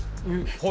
はい。